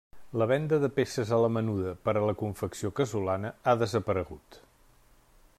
La venda de peces a la menuda per a la confecció casolana ha desaparegut.